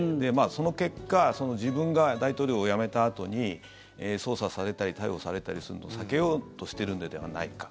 その結果自分が大統領を辞めたあとに捜査されたり逮捕されたりすること避けようとしてるのではないか。